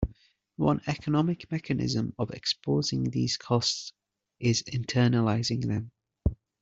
One economic mechanism of exposing these costs is internalizing them.